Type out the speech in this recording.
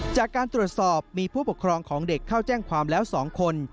จากการตรวจสอบมีผู้ปกครองของเด็กเข้าแจ้งความแล้ว๒คน